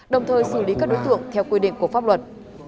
đồng thời xử lý các đối tượng theo quy định của pháp luật